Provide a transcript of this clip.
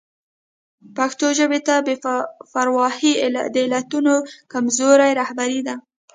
پښتو ژبې ته د بې پرواهي د علتونو کې کمزوري رهبري ده.